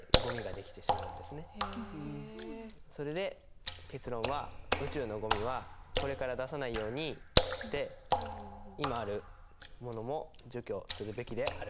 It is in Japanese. それで結論は「宇宙のゴミはこれから出さないようにして今あるものも除去するべきである」。